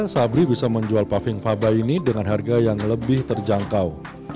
sabri bisa menjual paving faba ini dengan harga yang lebih terjangkau